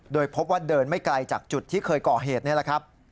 โดยพบว่าเดินไม่ไกลจากจุดที่เคยก่อเหตุนี่แหละครับ